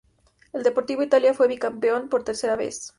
El Deportivo Italia fue vicecampeón por tercera vez.